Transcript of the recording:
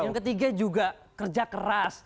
yang ketiga juga kerja keras